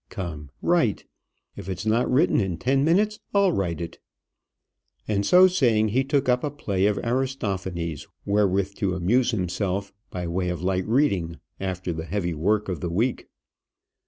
Come, write. If it's not written in ten minutes, I'll write it;" and so saying, he took up a play of Aristophanes wherewith to amuse himself, by way of light reading, after the heavy work of the week.